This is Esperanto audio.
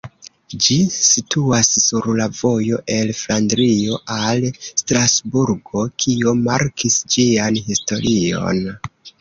Ĝi situas sur la vojo el Flandrio al Strasburgo, kio markis ĝian historion.